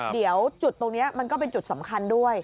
เดี๋ยวจุดตรงนี้มันก็เป็นจุดสำคัญด้วย